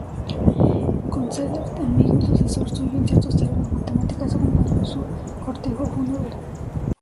Condorcet, amigo y sucesor suyo en ciertos terrenos matemáticos, acompañó su cortejo fúnebre.